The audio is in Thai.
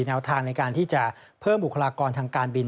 แนวทางในการที่จะเพิ่มบุคลากรทางการบิน